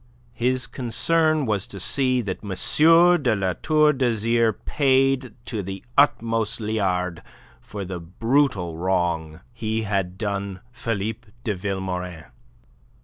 His concern was to see that M. de La Tour d'Azyr paid to the uttermost liard for the brutal wrong he had done Philippe de Vilmorin.